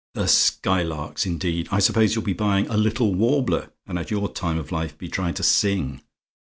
"The Skylarks, indeed! I suppose you'll be buying a 'Little Warbler,' and at your time of life, be trying to sing.